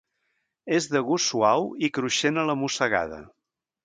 És de gust suau i cruixent a la mossegada.